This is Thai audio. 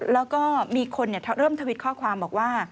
แล้วก็มีคนเริ่มทวิตข้อความบอกว่า